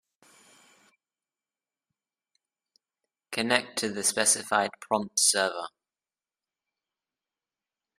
Connect to the specified prompt server.